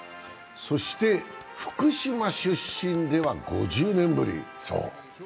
そして福島出身では５０年ぶり。